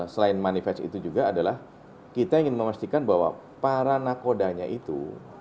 selain manifest itu juga adalah kita ingin memastikan bahwa para nakodanya itu